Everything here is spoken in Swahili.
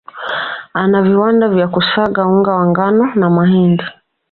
Ana viwanda vya kusaga unga wa ngano na mahindi